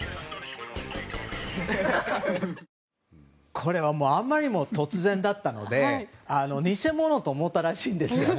これはあまりにも突然だったので偽者と思ったらしいんですね。